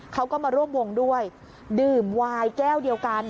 เขาก็มาร่วมวงด้วยดื่มวายแก้วเดียวกัน